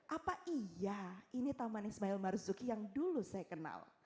apa iya ini taman ismail marzuki yang dulu saya kenal